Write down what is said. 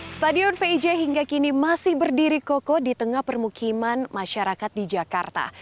stadion vij hingga kini masih berdiri kokoh di tengah permukiman masyarakat di jakarta